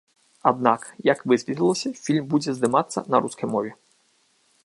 Аднак, як высветлілася, фільм будзе здымацца на рускай мове.